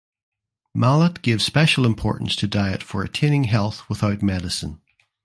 Mallett gave special importance to diet for attaining health without medicine.